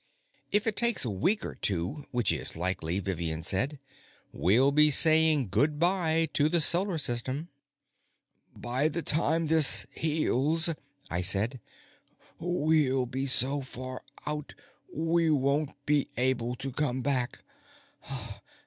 "If it takes a week or two, which is likely," Vivian said, "we'll be saying good by to the Solar System." "By the time this heals," I said, "we'll be so far out we won't be able to come back.